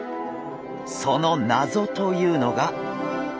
その謎というのが。